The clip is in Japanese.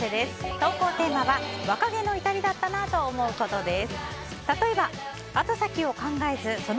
投稿テーマは若気の至りだったなぁと思うことです。